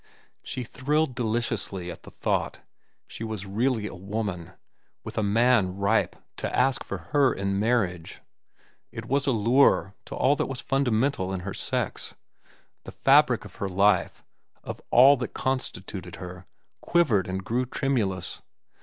She thrilled deliciously at the thought. She was really a woman, with a man ripe to ask for her in marriage. It was a lure to all that was fundamental in her sex. The fabric of her life, of all that constituted her, quivered and grew tremulous.